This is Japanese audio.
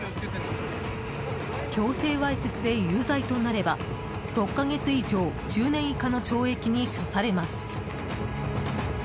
強制わいせつで有罪となれば６か月以上１０年以下の懲役に処されます。